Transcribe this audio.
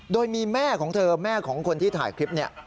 โดยมีแม่ของเธอแม่ของคนที่ถ่ายคลิปนี้